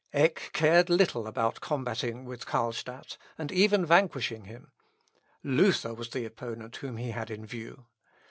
Eck cared little about combating with Carlstadt, and even vanquishing him. Luther was the opponent whom he had in view.